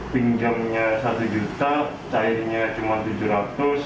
pinjamnya satu juta cairnya cuma tujuh ratus